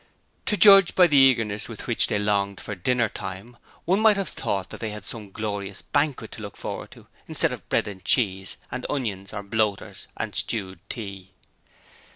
To judge by the eagerness with which they longed for dinner time, one might have thought they had some glorious banquet to look forward to instead of bread and cheese and onions, or bloaters and stewed tea.